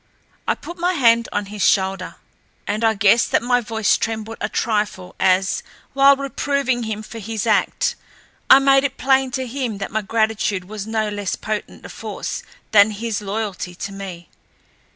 I put my hand on his shoulder, and I guess that my voice trembled a trifle as, while reproving him for his act, I made it plain to him that my gratitude was no less potent a force than his loyalty to me.